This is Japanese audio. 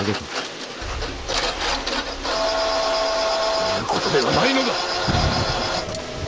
こういうことではないのだ！